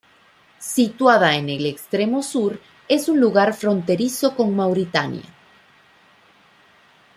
Situada en el extremo sur, es un lugar fronterizo con Mauritania.